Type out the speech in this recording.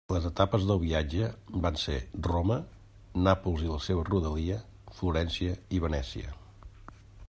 Les etapes del viatge van ser Roma, Nàpols i la seua rodalia, Florència i Venècia.